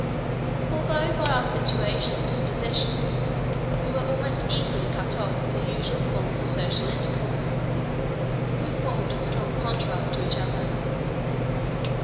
Although by our situation and dispositions we were almost equally cut off from the usual forms of social intercourse, we formed a strong contrast to each other.